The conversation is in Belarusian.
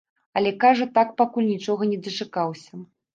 Але, кажа, так пакуль нічога не дачакаўся.